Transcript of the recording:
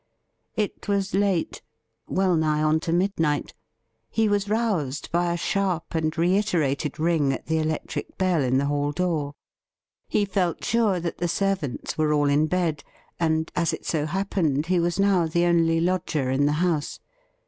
It was late — wellnigh on to midnight. He was roused by a sharp and reiterated ring at the electric bell in the hall door. He felt sure that the servants were all in bed, and, as it so happened, he was now the only lodger in the house.